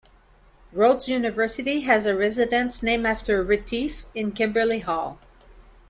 Rhodes University has a residence named after Retief, in Kimberley Hall.